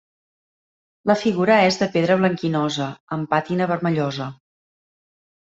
La figura és de pedra blanquinosa, amb pàtina vermellosa.